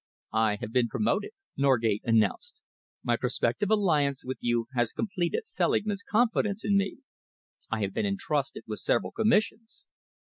"I have been promoted," Norgate announced. "My prospective alliance with you has completed Selingman's confidence in me. I have been entrusted with several commissions."